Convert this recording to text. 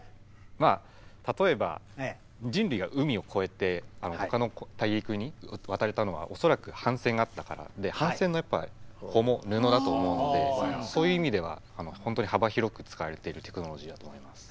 まあ例えば人類が海を越えてほかの大陸に渡れたのは恐らく帆船があったからで帆船のやっぱ帆も布だと思うのでそういう意味では本当に幅広く使われているテクノロジーだと思います。